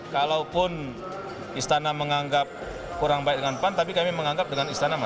kalaupun istana menganggap kurang baik dengan pan tapi kami menganggap dengan istana mas